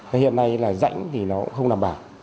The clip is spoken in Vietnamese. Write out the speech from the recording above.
thế hiện nay là rãnh thì nó cũng không đảm bảo